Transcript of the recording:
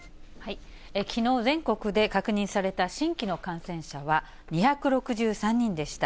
きのう、全国で確認された新規の感染者は２６３人でした。